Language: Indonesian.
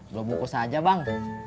belum bungkus aja bang